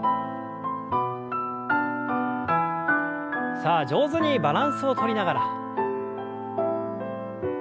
さあ上手にバランスをとりながら。